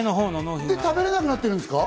で、食べられなくなってるんですか？